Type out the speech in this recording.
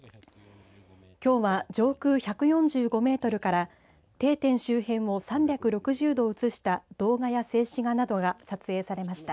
きょうは上空１４５メートルから定点周辺を３６０度映した動画や静止画などが撮影されました。